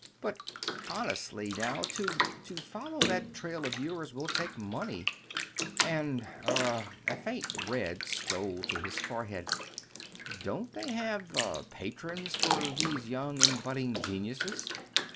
"But, honestly, now, to to follow that trail of yours will take money. And er " a faint red stole to his forehead "don't they have er patrons for these young and budding geniuses?